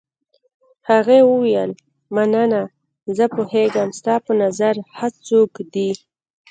هغې وویل: مننه، زه پوهېږم ستا په نظر ښه څوک دی.